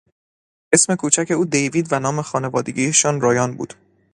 اسم کوچک او دیوید و نام خانوادگیش رایان بود.